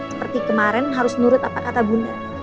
seperti kemarin harus nurut apa kata bunda